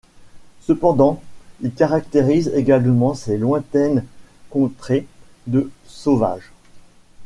Cependant il caractérise également ces lointaines contrées de sauvages.